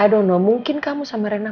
i don't know mungkin kamu sama rena